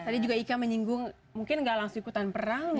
tadi juga ika menyinggung mungkin nggak langsung ikutan perang nih